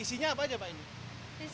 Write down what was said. isinya apa aja pak ini